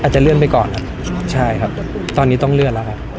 จะเลื่อนไปก่อนครับใช่ครับตอนนี้ต้องเลื่อนแล้วครับ